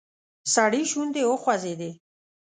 سړي شونډې وخوځېدې.